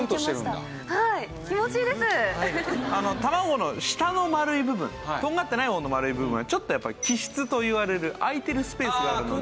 卵の下の丸い部分とんがってない方の丸い部分はちょっとやっぱり気室といわれる空いてるスペースがあるので。